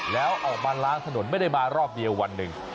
แล้วออกมาล้างถนนไม่ได้มารอบเดียววันหนึ่ง